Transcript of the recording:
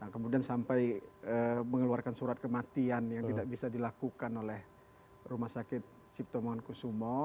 kemudian sampai mengeluarkan surat kematian yang tidak bisa dilakukan oleh rumah sakit cipto mangunkusumo